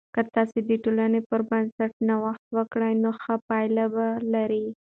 که تاسې د ټولنې پر بنسټ نوښت وکړئ، نو ښه پایلې به لرئ.